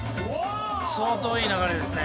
相当いい流れですね。